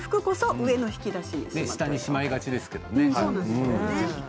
下にしまいがちですけれどもね。